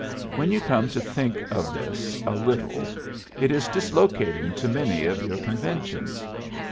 When you come to think of this a little it is dislocating to many of your conventions.